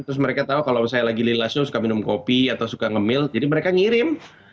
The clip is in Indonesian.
terus mereka tau kalau saya lagi lila show suka minum kopi atau suka nge mail jadi mereka ngirim